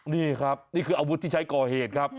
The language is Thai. นี่ครับนี่คืออาวุธที่ใช้ก่อเหตุครับ